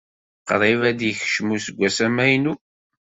Qrib ad d-yekcem useggas amaynu.